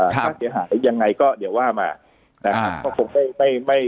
ถ้าเสียหายยังไงก็เดี๋ยวว่ามานะครับ